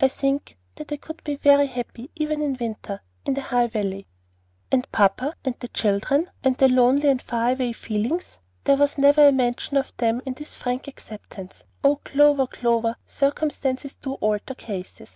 "I think that I could be very happy even in winter in the High Valley." And papa and the children, and the lonely and far away feelings? There was never a mention of them in this frank acceptance. Oh, Clover, Clover, circumstances do alter cases!